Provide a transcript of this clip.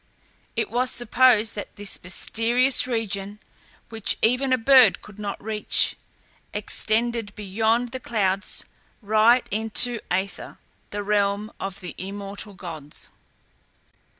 It was supposed that this mysterious region, which even a bird could not reach, extended beyond the clouds right into Aether, the realm of the immortal gods.